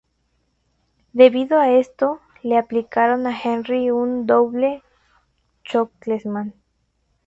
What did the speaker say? Debido a esto, le aplicaron a Henry un "Double Chokeslam".